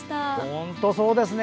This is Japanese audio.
本当、そうですね。